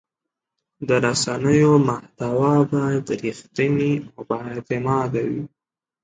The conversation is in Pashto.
د رسنیو محتوا باید رښتینې او بااعتماده وي.